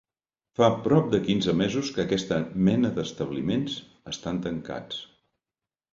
Fa prop de quinze mesos que aquesta mena d’establiments estan tancats.